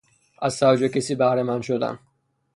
از توجه کسی بهرهمند شدن